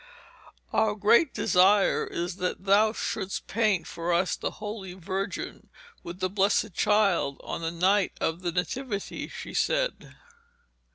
'Our great desire is that thou shouldst paint for us the Holy Virgin with the Blessed Child on the night of the Nativity,' she said.